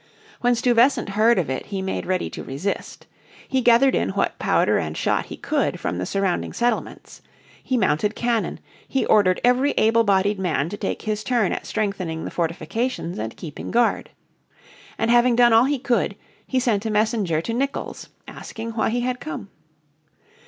When Stuyvesant heard of it he made ready to resist. He gathered in what powder and shot be could from the surrounding settlements; he mounted cannon, he ordered every able bodied man to take his turn at strengthening the fortifications and keeping guard. And having done all he could he sent a messenger to Nicolls asking why he had come.